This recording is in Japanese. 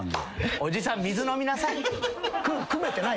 おじさん水飲みなさい。